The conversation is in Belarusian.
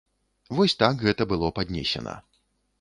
Вось так гэта было паднесена.